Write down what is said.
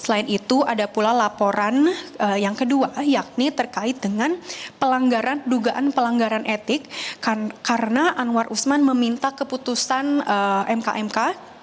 selain itu ada pula laporan yang kedua yakni terkait dengan pelanggaran dugaan pelanggaran etik karena anwar usman meminta keputusan mk mk